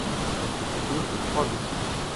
Elle se compose de trois vaisseaux.